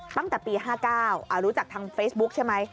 ตั้งแต่ปี๕๙รู้จักทางเฟซบุ๊คใช่ไหม